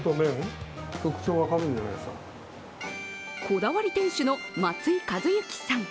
こだわり店主の松井一之さん。